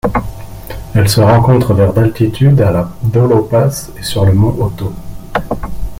Elle se rencontre vers d'altitude à la Daulo Pass et sur le mont Otto.